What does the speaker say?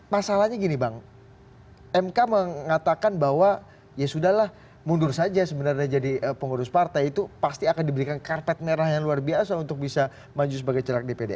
masalahnya gini bang mk mengatakan bahwa ya sudah lah mundur saja sebenarnya jadi pengurus partai itu pasti akan diberikan karpet merah yang luar biasa untuk bisa maju sebagai celak dpd